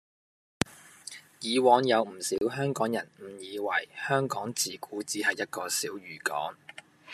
以往有唔少香港人誤以為香港自古只係一個小漁港